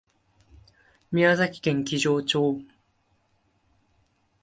宮崎県木城町